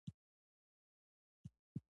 لال شاه پټان مخکې استازی وو.